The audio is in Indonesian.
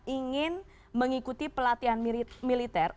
ingin mengikuti pelatihan militer